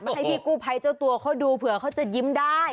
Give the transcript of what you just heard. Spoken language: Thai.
ให้พี่กู้ภัยเจ้าตัวเขาดูเผื่อเขาจะยิ้มได้